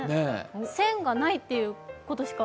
千がないということしか。